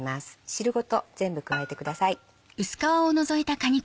汁ごと全部加えてください。